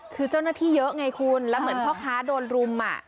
คือเจ้าหน้าที่เยอะไงคุณแล้วเหมือนพ่อค้าโดนรุม